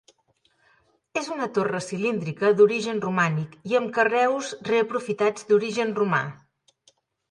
És una torre cilíndrica d'origen romànic i amb carreus reaprofitats d'origen romà.